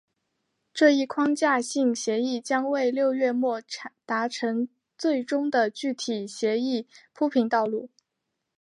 这一框架性协议将为六月末达成最终的具体协议铺平道路。